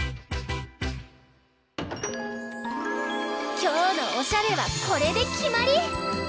きょうのおしゃれはこれできまり！